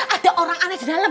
ada orang aneh di dalam